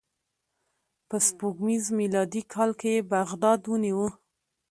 په سپوږمیز میلادي کال یې بغداد ونیو.